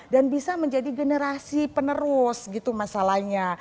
dan bisa menjadi generasi penerus gitu masalahnya